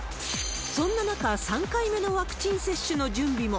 そんな中、３回目のワクチン接種の準備も。